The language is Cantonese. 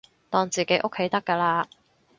當自己屋企得㗎喇